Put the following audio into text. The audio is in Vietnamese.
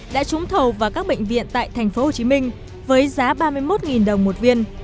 đã trúng thầu vào các bệnh viện tại tp hcm với giá ba mươi một đồng một viên